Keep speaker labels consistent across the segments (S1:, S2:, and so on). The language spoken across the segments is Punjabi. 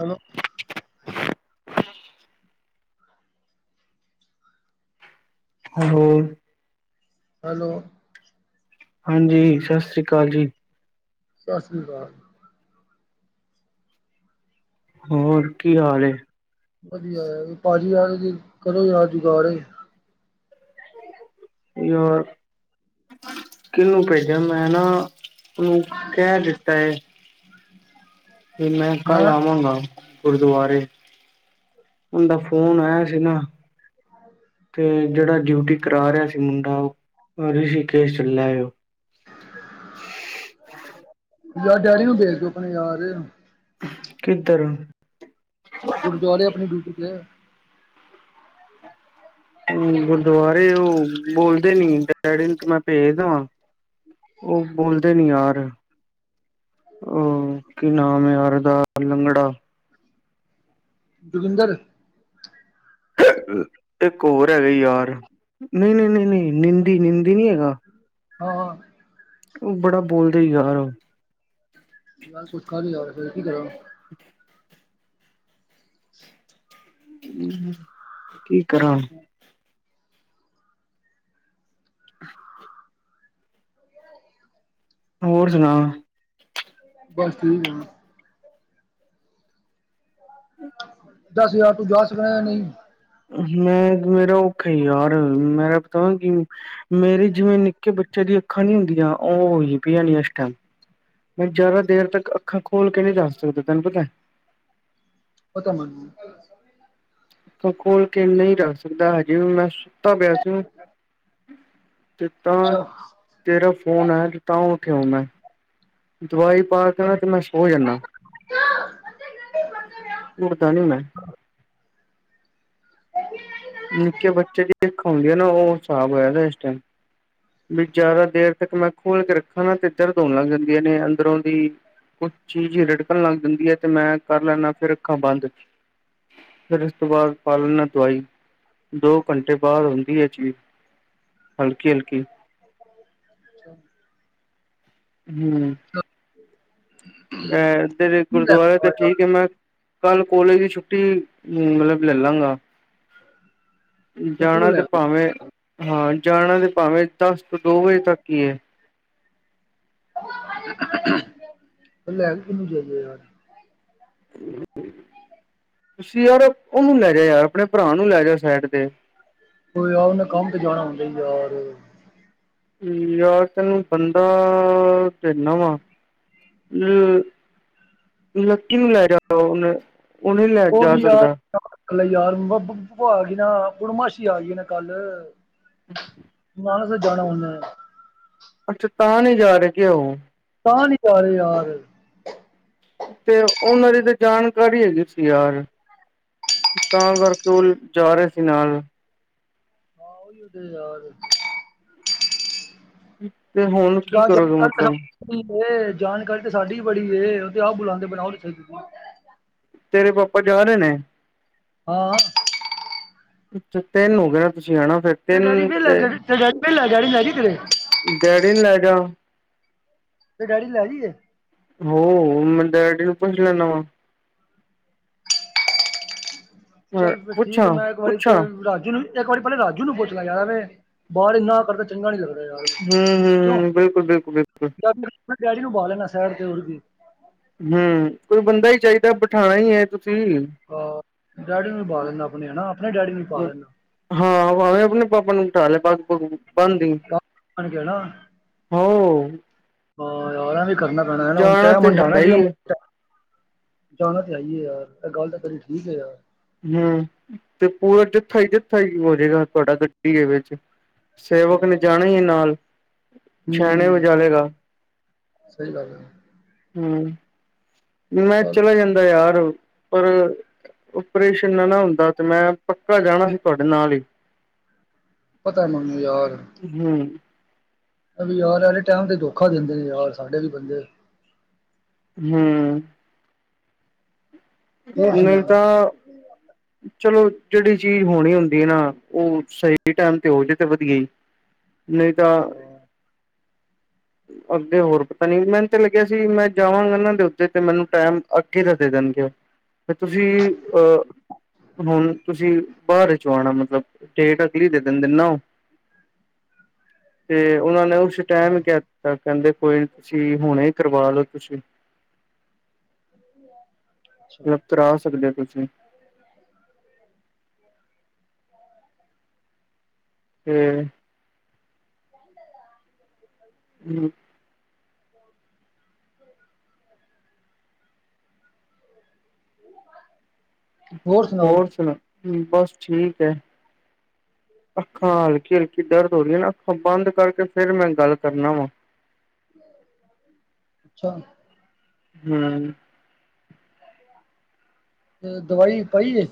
S1: ਹੈਲੋ।
S2: ਹੋਲੋ।
S1: ਹੈਲੋ।
S2: ਹਾਂਜੀ, ਸਤਿ ਸ਼੍ਰੀ ਅਕਾਲ ਜੀ।
S1: ਸਤਿ ਸ਼੍ਰੀ ਅਕਾਲ।
S2: ਹੋਰ ਕੀ ਹਾਲ ਏ?
S1: ਵਧੀਆ, ਭਾਜੀ ਯਾਰ ਜ' ਕਰੋਂ ਯਾਾਰ ਜੁਗਾੜ
S2: ਯਾਰ, ਕਿਹਨੂੰ ਭੇਜਿਆ ਮੈਂ ਨਾ ਉਹ ਕਹਿ ਦਿੱਤਾ ਹੈ,
S1: ਹ
S2: ਤੇ ਮੈਂ ਕੱਲ ਆਵਾਂਗਾ ਗੁਰਦੁਆਰੇ, ੳਦਾ ਫੋਨ ਆਇਆ ਸੀ ਨਾ।
S1: ਹਾਂ
S2: ਤੇ ਜਿਹੜਾ ਡਿਊਟੀ ਕਰਾ ਰਿਹਾ ਸੀ ਮੁੰਡਾ, ਉਹ ਰਿਸ਼ੀ ਕੇਸ ਚੱਲਿਆ ਹੈ ਉਹ
S1: ਯਾਰ, ਡੈਡੀ ਨੂੰ ਦੇਖ ਦਿ ਆਪਣੇ ਯਾਰ
S2: ਕਿਦਰ?
S1: ਗੁਰਦੁਆਰੇ ਆਪਣੀ ਡਿਊਟੀ ਤੇ
S2: ਗੁਰਦੁਆਰੇ ਉਹ ਬੋਲਦੇ ਨੀ, ਡੈਡੀ ਨੂੰ ਤੇ ਮੈਂ ਭੇਜ ਦੇਵਾਂ ਉਹ ਬੋਲਦੇ ਨੀ ਯਾਰ ਉਹ ਕੀ ਨਾਮ ਯਾਰ ਦਾ ੳਦਾ, ਲੰਗੜਾ
S1: ਜੋਗਿੰਦਰ
S2: ਇੱਕ ਹੋਰ ਹੈਗਾ ਹੀ ਯਾਰ, ਨਹੀਂ ਨਹੀਂ ਨਹੀਂ ਨਹੀਂ, ਨਿੰਦੀ- ਨਿੰਦੀ ਨੀ ਹੈਗਾ
S1: ਹਾਂਾਂ
S2: ਉਹ ਬੜਾ ਬੋਲਦੇ ਹੀ ਯਾਰ, ਉਹ
S1: ਯਾਰ ਕੁਛ ਕਰ ਯਾਰ ਫੇਰ, ਕੀ ਕਰਾ?
S2: ਕੀ ਕਰਾਂ? ਹੋਰ ਸੁਣਾ?
S1: ਬਸ ਠੀਕ ਆ। ਦੱਸ ਯਾਰ ਤੂੰ ਜਾ ਸਕਦਾ ਨਹੀਂ।
S2: ਮੈਂ ਮੇਰਾ ਔਖਾ ਯਾਰ ਮੇਰਾ ਪਤਾ ਕਿ ਮੇਰੇ ਜਿਵੇਂ ਨਿੱਕੇ ਬੱਚੇ ਦੀਆਂ ਅੱਖਾਂ ਨੀ ਹੁੰਦੀਆਂ ਓ ਹੋਈਆਂ ਪਈਆਂ ਨੇ ਇਸ ਟਾਈਮ। ਮੈਂ ਜ਼ਿਆਦਾ ਦੇਰ ਤੱਕ ਅੱਖਾਂ ਖੋਲ੍ਹ ਕੇ ਨੀ ਜਾ ਸਕਦਾ ਤੈਨੂੰ ਪਤਾ?
S1: ਪਤਾ ਮੈਨੂੰ।
S2: ਅੱਖਾਂ ਖੋਲ ਕੇ ਨੀ ਰੱਖ ਸਕਦਾ ਹਜੇ ਵੀ ਮੈਂ ਸੁੱਤਾ ਪਿਆ ਸੀ। ਤੇ ਤਾਂ
S1: ਅੱਛਾ
S2: ਤੇਰਾ ਫੋਨ ਆਇਆ ਤੇ ਤਾਂ ਉੱਥੇ ਆਇਆ ਮੈਂ। ਦਵਾਈ ਪਾ ਕੇ ਨਾ
S1: ਲੈ
S2: ਤੇ ਮੈਂ ਸੋ ਜਾਣਾ ਉੱਠਦਾ ਨੀ ਮੈਂ। ਨਿੱਕੇ ਬੱਚੇ ਦੀ ਅੱਖ ਹੁੰਦੀ ਆ ਨਾ ਉਹ ਸਾਬ ਹੋਇਆ ਪਿਆ ਇਸ ਟਾਈਮ। ਵੀ ਜ਼ਿਆਦਾ ਦੇਰ ਤੱਕ ਮੈਂ ਖੋਲ ਕੇ ਰੱਖਾਂ ਨਾ ਤੇ ਦਰਦ ਹੋਣ ਲੱਗ ਜਾਂਦੀਆਂ ਨੇ ਅੰਦਰੋਂ ਦੀ। ਚੀਜ਼ ਰੜਕਣ ਲੱਗ ਜਾਂਦੀ ਐ ਤੇ ਮੈਂ ਕਰ ਲੈਦਾ ਫਿਰ ਅੱਖਾਂ ਬੰਦ। ਫਿਰ ਇਸ ਤੋਂ ਬਾਅਦ ਪਾ ਲੈਣਾ ਦਵਾਈ ਦੋ ਘੰਟੇ ਬਾਅਦ ਹੁੰਦੀ ਐ ਚੀਜ਼। ਹਲਕੀ ਹਲਕੀ।
S1: [inaudible]
S2: ਹੂੰ,
S1: [inaudible]
S2: ਅਹ [unintelligible] ਗੁਰਦੁਆਰੇ
S1: ਯਾਰ,
S2: ਤੇ ਠੀਕ ਐ ਮੈਂ ਕੱਲ ਕੋਲੇਜ ਦੀ ਛੁੱਟੀ ਮਤਲਬ ਲੈ ਲਾਂਗਾ। ਜਾਣਾ ਤੇ
S1: ਲੈ
S2: ਭਾਵੇਂ ਹਾਂ ਜਾਣਾ ਤੇ ਭਾਵੇਂ ਦਸ ਤੋਂ ਦੋ ਵਜੇ ਤੱਕ ਈ ਐ।
S1: ਲੈ ਕਿਨੂੰ [unintelligible]
S2: ਪਿਛਲੀ ਵਾਰ ਉਹਨੂੰ ਲੈ ਗਿਆ ਯਾਰ ਆਪਣੇ ਭਰਾ ਨੂੰ ਲੈ ਗਿਆ ਸਾਈਡ ਤੇ।
S1: ਓ ਯਾਰ ਮੈਂ ਕੰਮ ਤੇ ਜਾਣਾ ਹੁੰਦਾ ਯਾਰ।
S2: ਯਾਰ ਤੈਨੂੰ ਬੰਦਾ ਦੇਨਾ ਵਾਂ। ਲੱਕੀ ਨੂੰ ਲੈ ਜਾ ਉਹਨੇ ਉਹਨੇ ਲੈ
S1: ਉਹ
S2: ਜਾ
S1: ਵੀ ਯਾਰ
S2: ਸਕਦਾ
S1: ਇਕ ਯਾਰ ਆ ਗਈ ਨਾ ਪੂਰਨਮਾਸ਼ੀ ਆ ਗਈ ਨਾ ਕੱਲ। ਨਾਨਕਸਰ ਜਾਣਾ ਓਨੇ।
S2: ਅੱਛਾ ਤਾਂ ਨੀ ਜਾ ਰਹੇ ਕੀ ਓ।
S1: ਤਾਂ ਨੀ ਜਾ ਰਹੇ ਯਾਰ।
S2: ਤੇ ਉਹਨਾਂ ਦੀ ਤਾਂ ਜਾਣਕਾਰੀ ਹੈਗੀ ਸੀ ਯਾਰ। ਤਾਂ ਕਰਕੇ ਓ ਜਾ ਰਹੇ ਸੀ ਨਾਲ।
S1: ਓਹੀਓ ਤੇ ਯਾਰ
S2: ਤੇ ਹੁਣ ਕੀ ਕਰੋਗੇ ਮਤਲਬ
S1: ਉਹੀ ਤੇ ਜਾਣਕਾਰੀ ਤਾਂ ਸਾਡੀ ਵੀ ਬੜੀ ਏ ਓ ਤੇ ਆਪ ਬੁਲਾਂਦੇ ਪਏ ਨੇ ਆਓ ਤੇ ਸਹੀ।
S2: ਤੇਰੇ ਪਾਪਾ ਜਾ ਰੇ ਨੇ।
S1: ਹਾਂ।
S2: ਪਿੱਛੇ ਤਿੰਨ ਹੋ ਗਿਆ ਨਾ ਤੁਸੀਂ ਹਨਾ ਫੇਰ
S1: ਤੇਰਾ ਡੇਡੀ ਵੇਹਲਾ, ਤੇਰਾ ਡੇਡੀ ਵੇਹਲਾ ਡੈਡੀ ਨੂੰ ਲੈ ਜਈ ਏ ਤੇਰੇ।
S2: ਡੈਡੀ ਨੂੰ ਲੈ ਜਾ।
S1: ਤੇਰੇ ਡੈਡੀ ਨੂੰ ਲੈ ਜੀ ਏ।
S2: ਹੋਰ, ਮੈਂ ਡੈਡੀ ਨੂੰ ਪੁੱਛ ਲੈਣਾ ਵਾ। ਵਾ
S1: ਚੱਲ ਫਿਰ ਠੀਕ ਐ,
S2: ਪੁੱਛਾਂ
S1: ਮੈਂ ਇੱਕ ਵਾਰੀ ਤੇ
S2: ਪੁੱਛਾਂ
S1: ਰਾਜੂ ਨੂੰ ਇੱਕ ਵਾਰੀ ਪਹਿਲਾਂ ਰਾਜੂ ਨੂੰ ਪੁੱਛ ਲੈ ਯਾਰ ਬਾਹਰ ਇੰਨਾ ਕਰਦਾ। ਚੰਗਾ ਨੀ ਲੱਗਦਾ ਯਾਰ ਕਿਉਂ
S2: ਹੂੰ-ਹੂੰ, ਬਿਲਕੁਲ-ਬਿਲਕੁਲ-ਬਿਲਕੁਲ
S1: [unintelligible] ਡੈਡੀ ਨੂੰ ਬਾਹ ਲੈਣਾ ਸਇਡ ਤੇ ਹੋਰ ਕੀ
S2: ਹਮ, ਕੋਈ ਬੰਦਾ ਚਾਹੀਦਾ, ਬਿਠਾਣਾ ਹੈ ਤੁਸੀਂ
S1: ਆਹ, ਡੈਡੀ ਨੂੰ ਵੀ ਬਾਹ ਲੈਂਦਾ ਆਪਣੇ ਹਨਾ, ਆਪਣੇ ਡੈਡੀ ਨੂੰ ਬਾਹ ਲੈਂਦਾ।
S2: ਹਾਂ ਬਾਵੇਂ ਆਪਣੇ ਪਾਪਾ ਨੂੰ ਬਿਠਾਦੀ, ਪਾਗ ਪੂਗ ਬਾਣਦੀ।
S1: [unintelligible]
S2: ਹੋਰ।
S1: ਹਾਂ ਯਾਰ ਐਵੇਂ ਹੀ ਕਰਨਾ ਪੇਣਾ, ਹੁਣ
S2: ਜਾਣਾ
S1: ਟਾਈਮ
S2: ਤੇ
S1: ਹੰਡਾਣਾ
S2: ਹੈ ਹੀ
S1: ਜਿਵੇਂ
S2: ਏ
S1: ਜਾਣਾ ਤਾਂ ਹੈ ਹੀ ਯਾਰ, ਇਹ ਗੱਲ ਤਾਂ ਤੇਰੀ ਠੀਕ ਹੈ ਯਾਰ।
S2: ਹਮ, ਤੇ ਪੂਰਾ ਜਥਾ ਹੀ ਜਥਾ ਹੀ ਹੋਜੇਗਾ ਤੁਹਾਡਾ ਗੱਡੀ ਦੇ ਵਿੱਚ ਸੇਵਕ ਨੇ
S1: ਹਾਂ
S2: ਜਾਣੇ ਹੀ ਨਾਲ, ਛਹਿਣੇ
S1: ਹੂੰ
S2: ਵਜਾ ਲੇਗਾ।
S1: ਸਹੀ ਗੱਲ ਹੈ।
S2: ਹਮ, ਮੈਂ
S1: ਚੱਲ
S2: ਚਲਾ ਜਾਂਦਾ ਯਾਰ ਪਰ ਓਪਰੇਸ਼ਨ ਨਾ ਨਾ ਹੁੰਦਾ, ਤੇ ਮੈਂ ਪੱਕਾ ਜਾਣਾ ਸੀ ਤੁਹਾਡੇ ਨਾਲ ਹੀ।
S1: ਪਤਾ ਮੈਨੂੰ ਯਾਰ
S2: ਹਮ।
S1: ਏਵੀ ਯਾਰ ਵਾਲੇ ਟਾਈਮ ਤੇ ਧੋਖਾ ਦਿੰਦੇ ਨੇ ਯਾਰ, ਸਾਡੇ ਵੀ ਬੰਦੇ
S2: ਹਮ।
S1: ਹੋਰ ਸੁਣਾ
S2: ਨਹੀਂ
S1: ਹਾਂ,
S2: ਤਾਂ ਚਲੋ ਜਿਹੜੀ ਚੀਜ਼ ਹੋਣੀ ਹੁੰਦੀ ਹੈ ਨਾ, ਉਹ ਸਹੀ ਟਾਈਮ ਤੇ ਹੋ ਜੇ ਤੇ ਵਧੀਆ ਹੀ।
S1: [inaudible]
S2: ਨਹੀਂ ਤਾਂ
S1: [inaudible]
S2: ਅੱਗੇ ਹੋਰ ਪਤਾ ਨੀ, ਮੈਨੂੰ ਤਾਂ ਲੱਗਿਆ ਸੀ ਮੈਂ ਜਾਵਾਂਗਾ ਇਹਨਾਂ ਦੇ ਉੱਤੇ ਤੇ, ਮੈਨੂੰ ਟੈਮ ਅੱਗੇ ਦਾ ਦੇ ਦੇਣਗੇ। ਫੇਰ ਤੁਸੀਂ, ਅਹ ਹੁਣ ਤੁਸੀਂ ਬਾਦ 'ਚ ਆਉਣਾ ਮਤਲਬ, ਡੇਟ ਅਗਲੀ ਦੇ ਦਿੰਦੇ ਨਾ ਓਹ। ਤੇ ਉਹਨਾਂ ਨੇ ਉਸ
S1: ਅੱਛਾ
S2: ਟਾਈਮ ਕਹਿ ਦਿੱਤਾ, ਕਹਿੰਦੇ ਕੋਈ ਨੀ ਤੁਸੀਂ ਹੁਣੇ ਹੀ ਕਰਵਾ ਲੋ ਤੁਸੀਂ
S1: [unintelligible]
S2: ਮਤਲਬ ਕਰਾ ਸਕਦੇ ਹੋ ਤੁਸੀਂ ਤੇ ਹਮ। ਹੋਰ ਸੁਣਾ, ਬਸ ਠੀਕ ਹੈ। ਅੱਖਾਂ ਹਲਕੀ ਹਲਕੀ ਦਰਦ ਹੋ ਰਹੀਆਂ ਨਾ, ਅੱਖਾਂ ਬੰਦ ਕਰਕੇ ਫੇਰ ਮੈਂ ਗੱਲ ਕਰਨਾ ਵਾ।
S1: ਅੱਛਾ।
S2: ਹਮ।
S1: ਤੇ ਦਵਾਈ ਪਾਈ ਏ?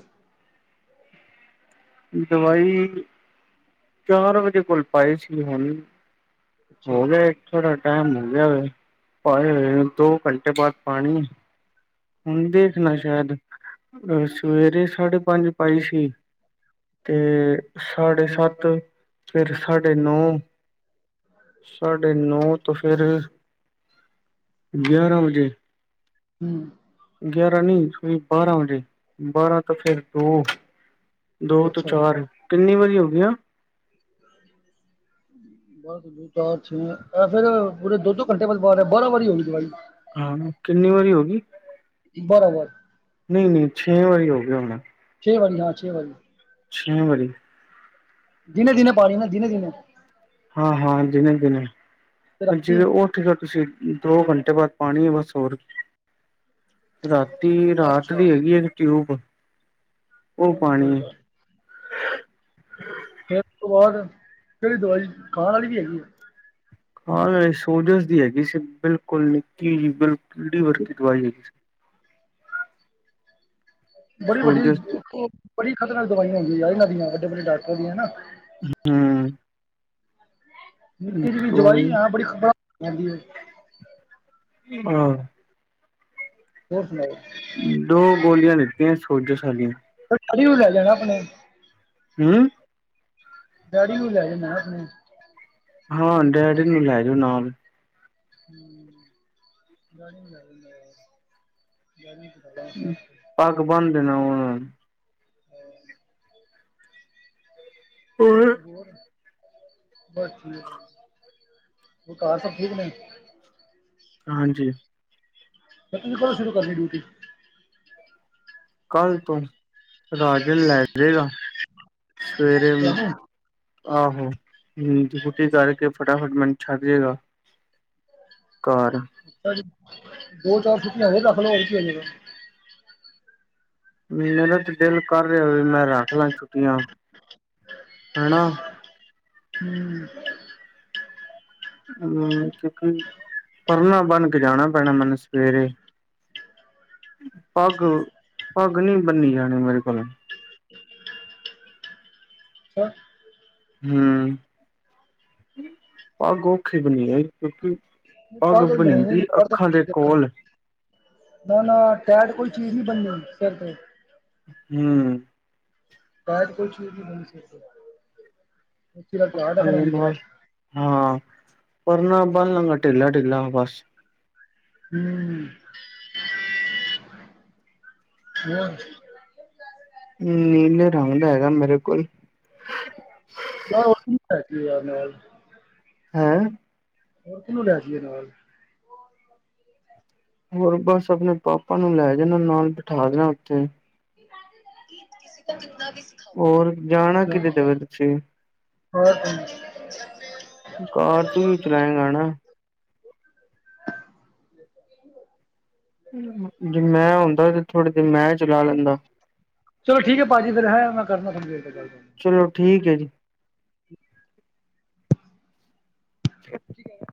S2: ਦਵਾਈ, ਚਾਰ ਵਜੇ ਕੋਲ ਪਾਏ ਸੀ ਹੁਣ
S1: ਅੱਛਾ
S2: ਹੋ ਗੇ ਥੋੜਾ ਟਾਈਮ ਹੋ ਗਿਆ ਪਾਏ ਹੋ, ਦੋ ਘੰਟੇ ਬਾਅਦ ਪਾਣੀ ਹੁਣ ਦੇਖਣਾ ਸ਼ਾਇਦ, ਅਹ ਸਵੇਰੇ ਸਾਢੇ ਪੰਜ ਪਾਈ ਸੀ ਤੇ ਸਾਡੇ ਸੱਤ, ਫੇਰ ਸਾਡੇ ਨੌ ਸਾਡੇ ਨੌ ਤੋਂ ਫਿਰ ਗਿਆਰਾਂ ਵਜੇ
S1: ਹਮ।
S2: ਗਿਆਰਾਂ ਨਹੀਂੀ ਸ ਬਾਰਾਂ ਵਜੇ, ਬਾਰਾਂ ਤਾਂ ਫੇਿਰ ਦੋ ਦੋ ਤੋਂ
S1: ਅੱਛਾ
S2: ਚਾਰ, ਕਿੰਨੀ ਵਾਰੀ ਹੋ ਗਈ ਆ?
S1: ਬ ਦੋ ਚਾਰ, ਛੇ, ਫੇਿਰ ਪੂਰੇ ਦੋ ਦੋ ਘੰਟੇ ਬਾਅਦ ਪਾ ਰਿਹਾ, ਬਾਰਾਂ ਵਾਰੀ ਹੋ ਗਈ ਦਵਾਈ
S2: ਹਾਂ, ਕਿੰਨੀ ਵਾਰੀ ਹੋ ਗਈ?
S1: ਬਾਰਾ ਵਾਰ?
S2: ਨਹੀਂ ਨਹੀਂ, ਛੇ ਵਾਰੀ ਹੋ ਗਿਆ ਹੋਣਾ।
S1: ਛ ਵਾਰੀ ਹਾਂ, ਛੇ ਵਾਰੀ
S2: ਛੇ ਵਾਰੀ
S1: ਦਿਨ ਦਿਨੇ ਪਾਣੀ ਨਾ, ਦਿਨੇ ਦਿਨੇ
S2: ਹਾਂ ਹਾਂ ਦਿਨੇ ਦਿਨੇ,
S1: ਤੇ
S2: ਜਿ
S1: ਰਾਤੀ
S2: ਉਹ ਠੀਕ ਆ ਤੁਸੀਂ, ਦੋ ਘੰਟੇ ਬਾਅਦ ਪਾਉਣੀ ਹੈ ਬਸ ਹੋਰ ਰਾਤੀ, ਰਾਤ
S1: ਅੱਛਾ
S2: ਦੀ ਹੈਗੀ ਇੱਕ ਟਿਊਬ ਉਹ
S1: ਚਲ ਕੋਈ
S2: ਪਾਣੀ
S1: ਗਲ ਨੀ। ਫੇਰ ਉਸ ਤੋਂ ਬਾਅਦ, ਫੇਰ ਦਵਾਈ ਖਾਣ ਵਾਲੀ ਵੀ ਹੈਗੀ ਆ?
S2: ਹਾਂ ਸੋਜਸ ਦੀ ਹੈਗੀ ਸੀ ਬਿਲਕੁਲ ਨਿੱਕੀ ਜਿਹੀ, ਬਿਲਕੁਲ ਵਰਗੀ ਦਵਾਈ ਹੈਗੀ। ਸੀ।
S1: ਬੜੀ ਵੱਡੀ,
S2: ਸੋਜਸ ਦੀ
S1: ਬੜੀ ਖ਼ਤਰਨਾਕ ਦਵਾਈਆਂ ਹੁੰਦੀ ਯਾਰ ਇਹਨਾਂ ਦੀਆਂ ਵੱਡੇ ਵੱਡੇ ਡਾਕਟਰਾਂ ਦੀਆਂ, ਹਨਾ।
S2: ਹਮ।
S1: ਨਿੱਕੇ ਜਿ ਵੀ ਦਵਾਈ, ਹਾਂ ਬੜੀ ਖਤਰਨਾਕ ਹੁੰਦੀ।
S2: ਹਾਂ
S1: ਹੋਰ ਸੁਣਾਓ
S2: ਦੋ ਗੋਲੀਆਂ ਦਿੱਤੀਆਂ ਸੋਜਸ਼ ਵਾਲੀਆਂ।
S1: ਰੀ ਲੈ ਜਾਣਾ ਆਪਣੇ
S2: ਹਮ
S1: ਡੈਡੀ ਨੂੰ ਵੀ ਲੈ ਜਾ ਨਾ ਆਪਣੇ
S2: ਹਾਂ, ਡੈਡੀ ਨੂੰ ਲੈ ਜਾਓ ਨਾਲ
S1: ਹਮ, ਗਰਮੀ ਲ ਗਰਮੀ ਤੇ ਬਸ
S2: ਪਗ ਬੰਨ ਦੀ ਨਾ ਉਹਨਾ ਦੀ
S1: ਹਮ।
S2: ਨੂੰ
S1: ਹੋ ਬਸ ਠੀਕ, ਹੋਰ ਘਰ ਸਭ ਠੀਕ ਨੇ?
S2: ਹਾਂਜੀ।
S1: ਰਖੱੜੀ ਤੋਂ ਬਾਦ ਸ਼ੁਰੂ ਕਰਨੀ ਡਿਊਟੀ?
S2: ਕੱਲ੍ਹ ਤੋਂ, ਰਾਜਨ ਲੈ ਜਾਵੇਗਾ ਸਵੇਰੇ
S1: ਤੁਹਾਨੂੰ
S2: ਆਹੋ ਹਮ, ਡਯੂਟੀ ਕਰਕੇ ਫਟਾਫਟ ਮੈਨੂੰ ਛੱਡ ਜੇਗਾ। ਘਰ
S1: ਦੋ ਚਾਰ ਛੁੱਟੀਆਂ ਕਰ ਲੈ ਹੋਰ, ਕੀ ਹੋਜੇਗਾ।
S2: ਮੇਰਾ ਤੇ ਦਿਲ ਕਰ ਰਿਹਾ ਮੈਂ ਰੱਖ ਲਾਂ ਛੁੱਟੀਆਂ, ਹਨਾ।
S1: ਹਮ।
S2: ਹਮ, ਪਰਨਾ ਬਣ ਕੇ ਜਾਣਾ ਪੈਣਾ ਮੈਨੂੰ ਸਵੇਰੇ ਪੱਗ,
S1: ਅੱਛਾ
S2: ਪੱਗ ਨਹੀਂ ਬੰਨੀ ਜਾਣੀ ਮੇਰੇ ਕੋਲ ਹਮ, ਪੱਗ ਔਖੀ ਬਣੀ ਜਾਣੀ ਕਿਉਂਕਿ ਪੱਗ
S1: ਤਾਂ ਕੋਈ ਮਹੀਨੇ
S2: ਬਣੀਦੀ
S1: ਨਹੀਂ ਪੜਦਾ
S2: ਅੱਖਾਂ ਦੇ
S1: ਦੇਖਣ
S2: ਕੋਲ
S1: ਨਾ ਨਾ, ਟੈਡ ਕੋਈ ਚੀਜ਼ ਨਹੀਂੀ ਬਣਨੀ ਫਿਰ ਤੋਂ
S2: ਹਮ [unintelligible]
S1: ਕ ਕੋ [unintelligible] ਟੈਟ ਕੋਈ ਚੀਜ ਨੀ ਬੰਨਣੀ।
S2: ਅੱਖਾਂ ਦੇ ਨਾਲ ਹਾਂ, ਪਰ ਨਾ ਬੰਨ ਨੰਗਾ ਢਿੱਲਾ ਢਿੱਲਾ ਬਸ
S1: ਹਮ ਹੋ [unintelligible]
S2: ਨੀਲੇ ਰੰਗ ਦਾ ਹੈਗਾ ਮੇਰੇ ਕੋਲ
S1: ਬ ਯ ਮ [unintelligible]
S2: ਹੈਾਂ [unintelligible]
S1: ਹੋਰ ਕਿਨੂੰ ਲੈ ਜਾਈਏ ਨਾਲ
S2: ਹੋਰ ਬਸ ਆਪਣੇ ਪਾਪਾ ਨੂੰ ਲੈ ਜਾਣਾ ਨਾਲ ਬਿਠਾ ਦੇਣਾ ਉੱਥੇ
S1: ਕੋ ਕਿਨਾ ਵੀ [unintelligible]
S2: ਹੋਰ ਜਾਣਾ ਕਿੇਦੇ ਤੇ ਵੇ ਤੁਸੀਂ
S1: ਹੋਰ
S2: ਕਾਰ ਤੂੰ ਵੀ ਚਲਾਏਗਾ ਹਨਾ
S1: [unintelligible]
S2: ਜੇ ਮੈਂ ਹੁੰਦਾ ਤੇ ਥੋੜੇ ਦੇਰ ਮੈਂ ਚਲਾ ਲੈਂਦਾ
S1: ਚਲੋ ਠੀਕ ਹੈ ਭਾਜੀ ਫਿਰ ਮੈਂ ਕਰਦਾ ਤੁਾਨੂੰੇਥੋੜੀ ਦੇਰ ਗ ਕਰ
S2: ਚਲੋ ਠੀਕ ਹੈ ਜੀ। ਜ [unintelligible]
S1: ਠੀਕ ਹੈ [unintelligible]